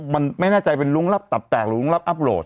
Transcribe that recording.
มันไม่แน่ใจเป็นลุ้งรับตับแตกลุ้งรับอัพโหลด